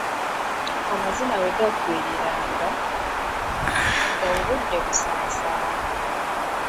Amazina we gaggweeranga, nga obudde busaasana.